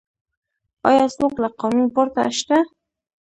آیا څوک له قانون پورته شته؟